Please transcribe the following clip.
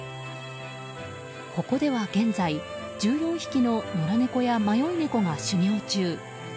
ここでは現在１４匹の野良猫や迷い猫が修行中。